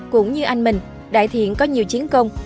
cũng như anh mình đại thiện có nhiều chiến công